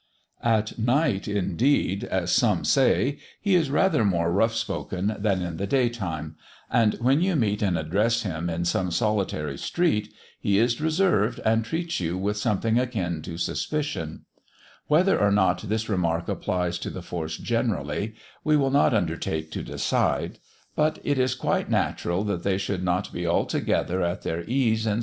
At night, indeed, as some say, he is rather more rough spoken than in the day time; and when you meet and address him in some solitary street, he is reserved and treats you with something akin to suspicion. Whether or not this remark applies to the force generally, we will not undertake to decide. But it is quite natural that they should not be altogether at their ease in [Illustration: THE CAB DISPUTE. p. 56.